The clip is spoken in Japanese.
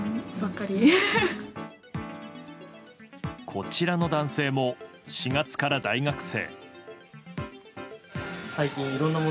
こちらの男性も４月から大学生。